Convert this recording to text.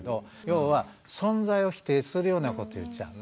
要は存在を否定するようなこと言っちゃう。